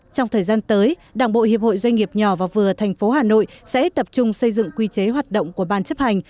trong thời gian tới đảng bộ hiệp hội doanh nghiệp nhỏ và vừa tp hà nội sẽ tập trung xây dựng quy chế hoạt động của ban chấp hành